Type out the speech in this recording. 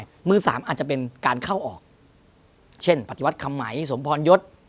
ส่วนประตูมือ๓อาจจะเป็นการเข้าออกเช่นปฏิวัติคำไหมสมพรยศ